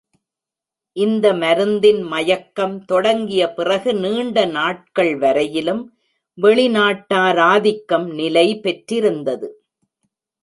இந்த மருந்தின் மயக்கம் தொடங்கிய பிறகு நீண்ட நாட்கள் வரையிலும் வெளி நாட்டாராதிக்கம் நிலை பெற்றிருந்தது.